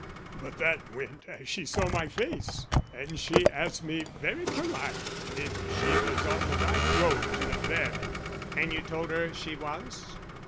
But that went as she saw my face, and she asked me very perlite if she was on the right road to the Ferry." "And you told her she was?"